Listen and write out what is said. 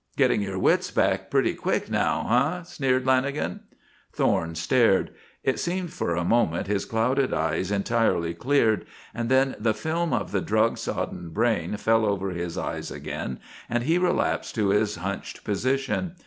"Getting your wits back pretty quick, now, eh?" sneered Lanagan. Thorne stared. It seemed for a moment his clouded eyes entirely cleared; and then the film of the drug sodden brain fell over his eyes again, and he relapsed to his hunched position.